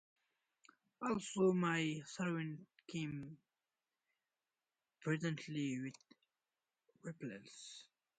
Also my servants came presently with rifles.